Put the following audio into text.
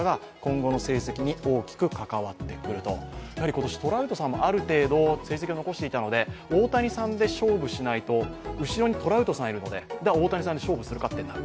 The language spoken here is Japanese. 今年トラウトさんもある程度成績を残していたので大谷さんで勝負しないと、後ろにトラウトさんがいるので、大谷さんで勝負するかってなる。